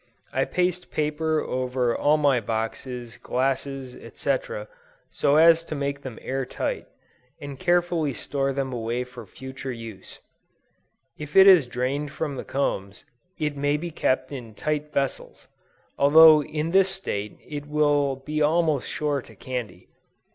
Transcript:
I paste paper over all my boxes, glasses, &c., so as to make them air tight, and carefully store them away for future use. If it is drained from the combs, it may be kept in tight vessels, although in this state it will be almost sure to candy.